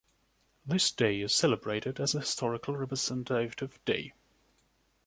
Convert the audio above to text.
This day is celebrated as a historical representative day.